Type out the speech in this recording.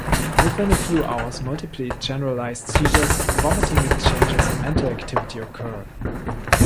Within a few hours multiple generalized seizures, vomiting, and changes in mental activity occur.